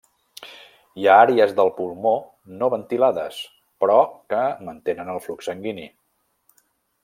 Hi ha àrees del pulmó no ventilades, però que mantenen el flux sanguini.